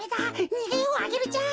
にげようアゲルちゃん。